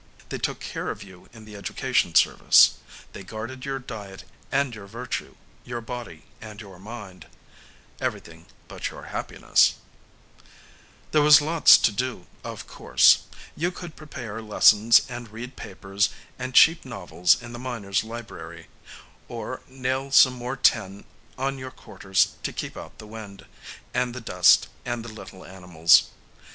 They took care of you in the Education Service; they guarded your diet and your virtue, your body and your mind. Everything but your happiness. There was lots to do, of course. You could prepare lessons and read papers and cheap novels in the miners' library, or nail some more tin on your quarters to keep out the wind and the dust and the little animals.